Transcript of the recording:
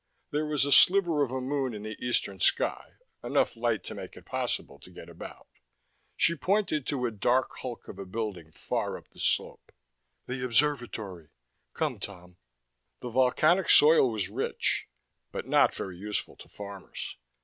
There was a sliver of a moon in the eastern sky, enough light to make it possible to get about. She pointed to a dark hulk of a building far up the slope. "The Observatory. Come, Tom." The volcanic soil was rich, but not very useful to farmers.